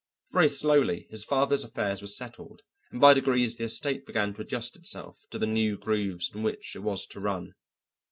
Very slowly his father's affairs were settled, and by degrees the estate began to adjust itself to the new grooves in which it was to run.